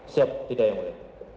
siap tidak yang mulia